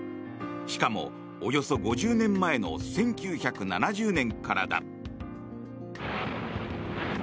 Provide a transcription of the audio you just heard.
しかも、およそ５０年前の１９７０年からだ。